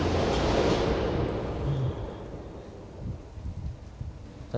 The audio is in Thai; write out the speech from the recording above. นะฮะ